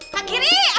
kak kiri atuh lah